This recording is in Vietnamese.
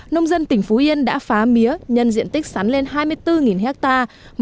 nông dân tỉnh phú yên đã phá mía nhân diện tích sắn lên hai mươi bốn hectare